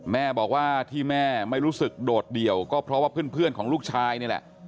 แม่บอกว่าที่แม่ไม่รู้สึกโดดเดี่ยวก็เพราะว่าเพื่อนของลูกชายนี่แหละ